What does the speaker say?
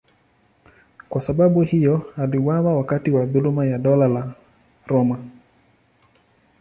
Kwa sababu hiyo aliuawa wakati wa dhuluma ya Dola la Roma.